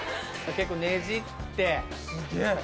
結構ねじって。